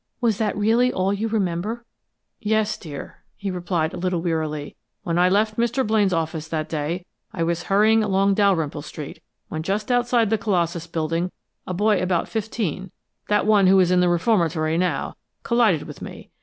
Was that really all you remember?" "Yes, dear," he replied a trifle wearily. "When I left Mr. Blaine's office that day, I was hurrying along Dalrymple Street, when just outside the Colossus Building, a boy about fifteen that one who is in the reformatory now collided with me.